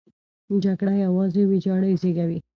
جګړه یوازې ویجاړۍ زېږوي.